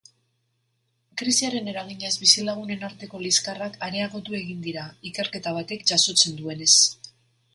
Krisiaren eraginez bizilagunen arteko liskarrak areagotu egin dira, ikerketa batek jasotzen duenez.